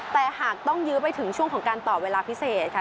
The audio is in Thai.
แต่หากต้องยื้อไปถึงช่วงของการตอบเวลาพิเศษค่ะ